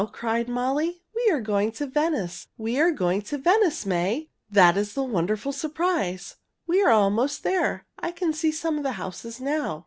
cried Molly. "We are going to Venice! We are going to Venice, May! That is the wonderful surprise. We are almost there. I can see some of the houses now."